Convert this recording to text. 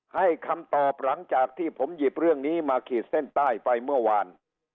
ให้คำตอบหลังจากที่ผมหยิบเรื่องนี้มาขีดเส้นใต้ไปเมื่อวาน